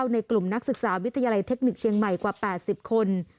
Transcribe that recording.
ในกลุ่มนักศึกษาวิทยาลัยเทคนิคเชียงใหม่กว่า๘๐คน